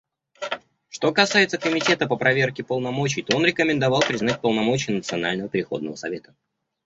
Что касается Комитета по проверке полномочий, то он рекомендовал признать полномочия Национального переходного совета.